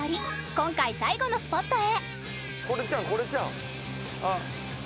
今回最後のスポットへ